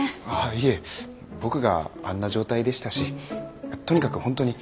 いえ僕があんな状態でしたしとにかく本当にありがとうございました。